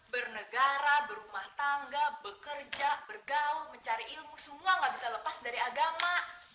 bernegara berumah tangga bekerja bergaul mencari ilmu semua gak bisa lepas dari agama